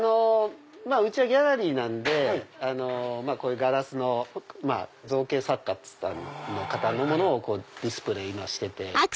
うちはギャラリーなんでこういうガラスの造形作家さんのものをディスプレー今してて。